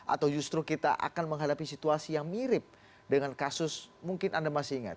atau justru kita akan menghadapi situasi yang mirip dengan kasus mungkin anda masih ingat